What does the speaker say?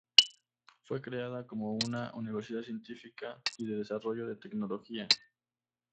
Fue creada como una universidad científica y de desarrollo de tecnología.